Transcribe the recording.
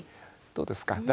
どうですか？